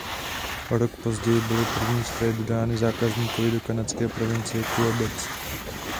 O rok později byly první stroje dodány zákazníkovi do kanadské provincie Quebec.